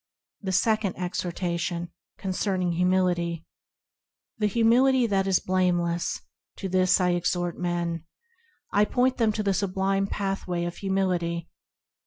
The Second Exhortation, concerning Humility THE Humility that is blameless, To this I exhort men ; I point them to the sublime pathway of Humility.